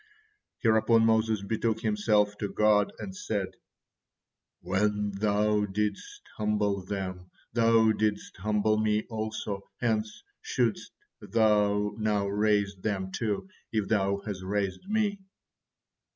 Hereupon Moses betook himself to God and said; "When Thou didst humble them, Thou didst humble me also, hence shouldst Thou now raise them too, if Thou has raised me."